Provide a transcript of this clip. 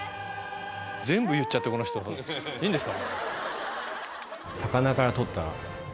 全部言っちゃってこの人いいんですか？